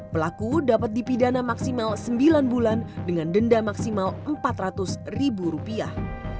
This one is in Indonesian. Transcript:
pelaku dapat dipidana maksimal sembilan bulan dengan denda maksimal empat ratus ribu rupiah